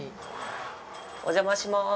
お邪魔しまーす。